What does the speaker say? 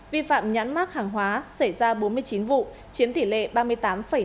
vi phạm nhãn mắc hàng hóa xảy ra bốn mươi chín vụ chiếm tỷ lệ ba mươi tám năm